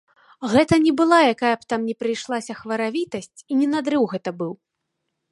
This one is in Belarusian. Гэта не была якая б там ні прыйшлася хваравітасць і не надрыў гэта быў.